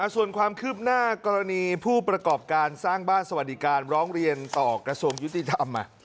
ส่วนความคืบหน้ากรณีผู้ประกอบการสร้างบ้านสวัสดิการร้องเรียนต่อกระทรวงยุติธรรม